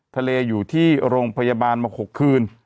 อยู่ที่โรงพยาบาลมา๖คืน